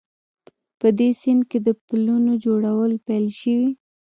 په دې سیند کې د پلونو جوړول پیل شوي